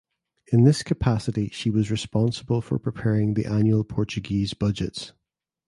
In this capacity she was responsible for preparing the annual Portuguese budgets.